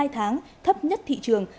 một mươi hai tháng thấp nhất thị trường